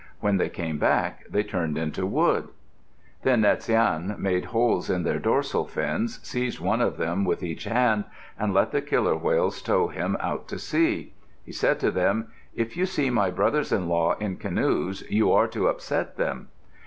When they came back they turned into wood. Then Natsiane made holes in their dorsal fins, seized one of them with each hand, and let the killer whales tow him out to sea. He said to them, "If you see my brothers in law in canoes, you are to upset them."